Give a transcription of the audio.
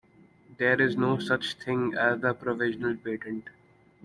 There is no such thing as a "provisional patent".